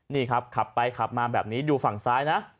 นี่ครับขับไปขับมาแบบนี้ดูฝั่งซ้ายนะ